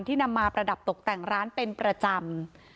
นำมาประดับตกแต่งร้านเป็นประจำ